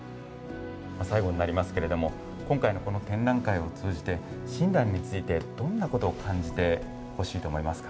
最後になりますけれども今回のこの展覧会を通じて親鸞についてどんなことを感じてほしいと思いますか。